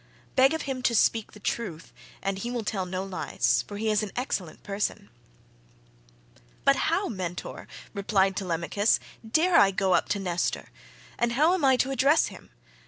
Beg of him to speak the truth, and he will tell no lies, for he is an excellent person." "But how, Mentor," replied Telemachus, "dare I go up to Nestor, and how am I to address him?